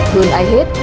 hơn ai hết